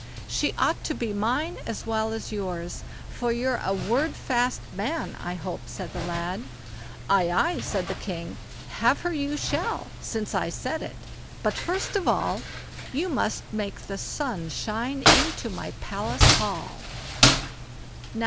"She ought to be mine as well as yours; for you're a word fast man, I hope", said the lad. "Aye, aye!" said the king, "have her you shall, since I said it; but first of all, you must make the sun shine into my palace hall."